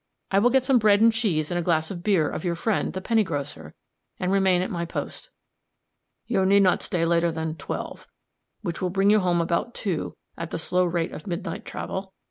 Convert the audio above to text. I will get some bread and cheese and a glass of beer of your friend, the penny grocer, and remain at my post." "You need not stay later than twelve; which will bring you home about two, at the slow rate of midnight travel.